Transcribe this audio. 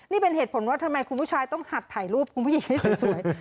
นี่เป็นเหตุผลว่าทำไมคุณผู้ชายต้องหัดถ่ายรูปคุณผู้หญิงให้สวย